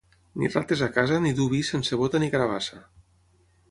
Ni rates a casa, ni dur vi sense bota ni carabassa.